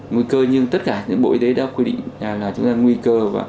nguy cơ như tất cả những bộ y tế đã quyết định là chúng ta nguy cơ